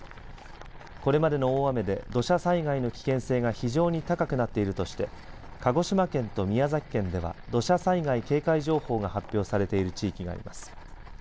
これまでの大雨で土砂災害の危険性が非常に高くなっているとして鹿児島県と宮崎県では土砂災害警戒情報が発表されている地域があります。